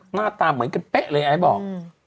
หน้าตาเหมือนกันเป๊ะเลยไอ้บอก